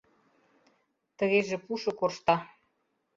Тыгеже пушо коршта.